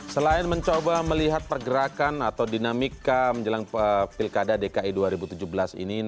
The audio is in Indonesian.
selain mencoba melihat pergerakan atau dinamika menjelang pilkada dki dua ribu tujuh belas ini